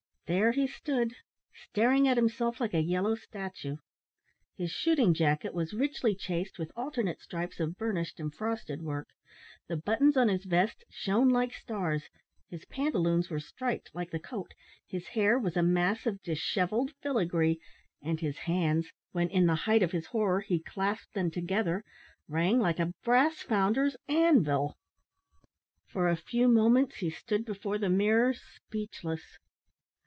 There he stood, staring at himself like a yellow statue. His shooting jacket was richly chased with alternate stripes of burnished and frosted work; the buttons on his vest shone like stars; his pantaloons were striped like the coat; his hair was a mass of dishevelled filigree; and his hands, when, in the height of his horror, he clasped them together, rang like a brass founder's anvil. For a few moments he stood before the mirror speechless.